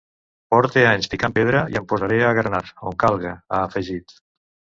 Porte anys picant pedra i em posaré a agranar, on calga, ha afegit.